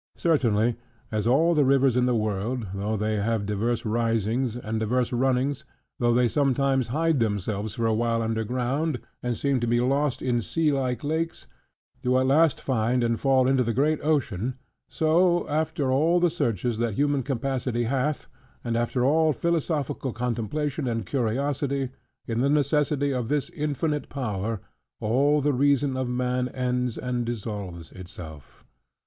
Certainly, as all the rivers in the world, though they have divers risings, and divers runnings; though they sometimes hide themselves for a while under ground, and seem to be lost in sea like lakes; do at last find, and fall into the great ocean: so after all the searches that human capacity hath, and after all philosophical contemplation and curiosity; in the necessity of this infinite power, all the reason of man ends and dissolves itself.